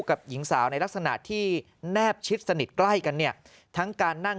กับหญิงสาวในลักษณะที่แนบชิดสนิทใกล้กันเนี่ยทั้งการนั่ง